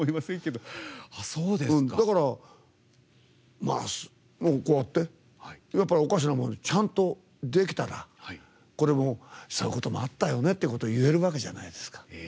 だから、こうやっておかしなものでちゃんとできたらこれもそういうことあったよねって言えるわけじゃないですか。